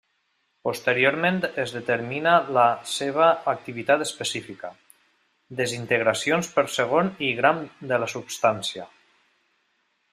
Posteriorment es determina la seva activitat específica, desintegracions per segon i gram de la substància.